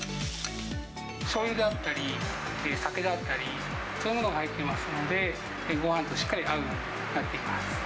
しょうゆだったり、酒だったり、そういうものが入ってますので、ごはんとしっかり合うようになっています。